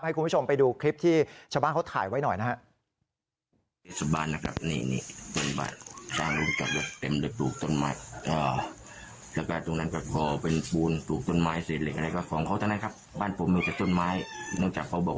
คุณผู้ชมไปดูคลิปที่ชาวบ้านเขาถ่ายไว้หน่อยนะครับ